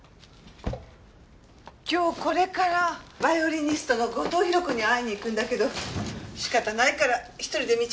今日これからバイオリニストの後藤宏子に会いに行くんだけど仕方ないから１人で道草食うわ。